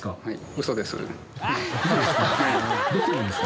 ウソですか？